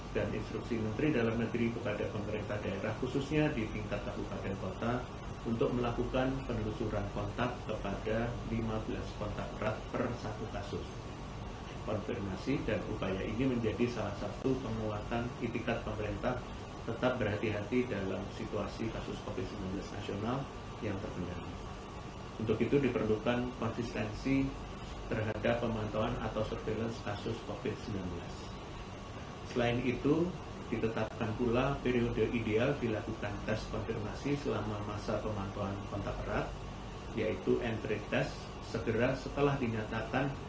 dan yang kemudian adalah delegasi negara anggota g dua puluh kemudian pemegang kitas atau kita dengan tujuan wisata dari negara yang merisiko transmisi omikron